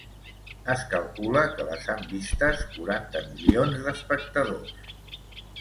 Es calcula que les han vistes quaranta milions d’espectadors.